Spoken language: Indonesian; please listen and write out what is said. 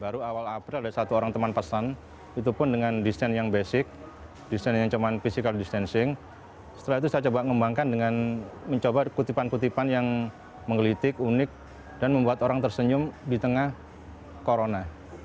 kami berharap ini akan menjadi kemampuan yang lebih unik dan membuat orang tersenyum di tengah corona